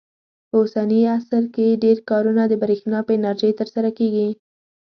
په اوسني عصر کې ډېر کارونه د برېښنا په انرژۍ ترسره کېږي.